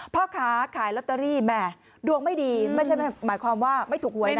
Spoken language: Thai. พ่อค้าขายลอตเตอรี่แหม่ดวงไม่ดีไม่ใช่หมายความว่าไม่ถูกหวยนะ